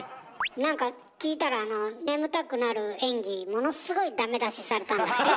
なんか聞いたらあの眠たくなる演技ものっすごいダメ出しされたんだって？